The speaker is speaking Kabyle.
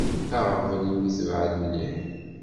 Aɣbel imi tebɛed mliḥ.